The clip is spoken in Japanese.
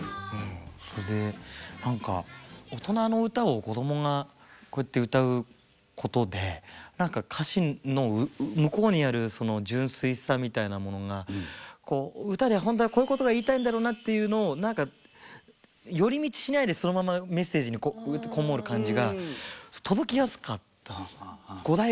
それで何かオトナの歌を子どもがこうやって歌うことで何か歌詞の向こうにあるその純粋さみたいなものが歌でほんとはこういうことが言いたいんだろうなっていうのを何か寄り道しないでそのまま「メッセージ」に籠もる感じが届きやすかった。